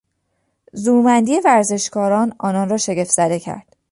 زورمندی ورزشکاران آنان را شگفت زده کرد.